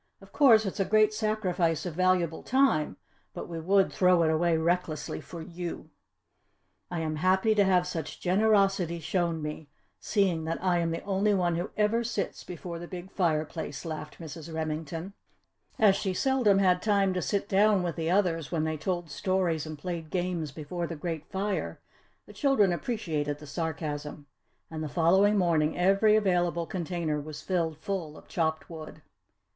Of course it's a great sacrifice of valuable time, but we would throw it away recklessly for you!" "I am happy to have such generosity shown me, seeing that I am the only one who ever sits before the big fireplace!" laughed Mrs. Remington. As she seldom had time to sit down with the others when they told stories and played games before the great fire, the children appreciated the sarcasm. And the following morning every available container was filled full of chopped wood.